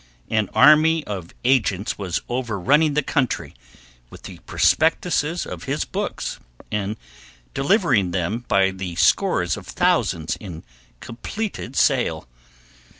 An army of agents was overrunning the country with the prospectuses of his books, and delivering them by the scores of thousands in completed sale.